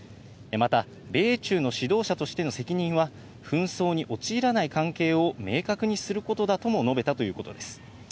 また米中の指導者としての責任は紛争に陥らない関係を明確にすることだとも述べたということです。